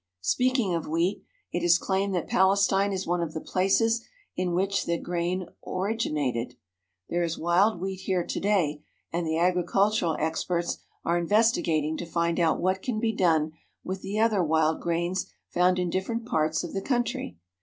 Speaking of wheat, it is claimed that Palestine is one of the places in which that grain originated. There is wild wheat here to day, and the agricultural experts are investigating to find out what can be done with the other wild grains found in different parts of this country.